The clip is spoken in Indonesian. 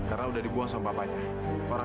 apa sudah berjalan